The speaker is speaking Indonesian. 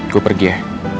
gue pergi ya